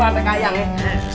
wah sayang banget